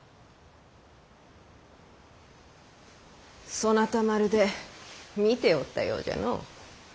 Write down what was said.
そなたまるで見ておったようじゃの。